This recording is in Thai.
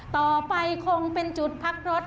ต่อไปคงเป็นจุดพักรถ